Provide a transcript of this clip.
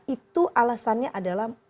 itu alasannya adalah karena